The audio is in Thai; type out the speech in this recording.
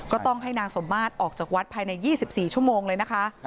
ก็ต้องให้นางสมมาตรออกจากวัดภายใน๒๔ชั่วโมงเลยนะคะ